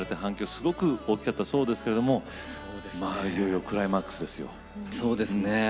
すごく大きかったそうですけどもいよいよクライマックスですよ。